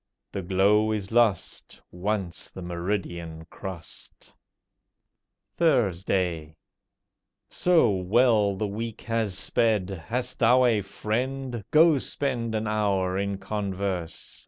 The glow is lost Once the meridian cross'd. THURSDAY So well the week has sped, hast thou a friend, Go spend an hour in converse.